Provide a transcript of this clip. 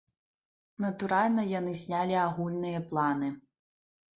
Натуральна, яны знялі агульныя планы.